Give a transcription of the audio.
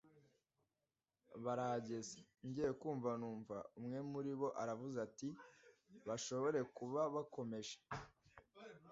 barahageze, ngiye kumva numva umwe muribo aravuze ati bashobore kuba bakomeje